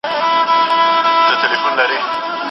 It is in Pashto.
لیکوال وویل چې ښځو د خپلو حقونو لپاره پاڅون وکړ.